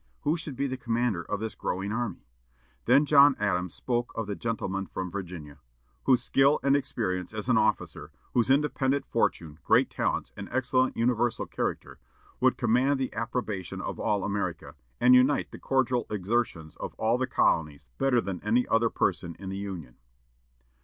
Who should be the commander of this growing army? Then John Adams spoke of the gentleman from Virginia, "whose skill and experience as an officer, whose independent fortune, great talents, and excellent universal character, would command the approbation of all America, and unite the cordial exertions of all the colonies better than any other person in the Union."